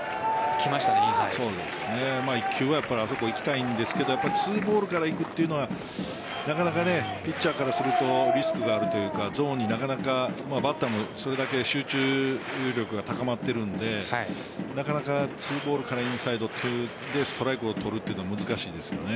１球はあそこ行きたいんですが２ボールからいくというのはなかなかピッチャーからするとリスクがあるというかゾーンになかなかバッターもそれだけ集中力が高まっているのでなかなか２ボールからインサイドでストライクを取るのは難しいですね。